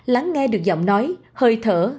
lắng nghe được giọng nói hơi thở